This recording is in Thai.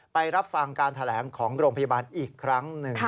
ไปรับฟังการแถลงของโรงพยาบาลอีกครั้งหนึ่ง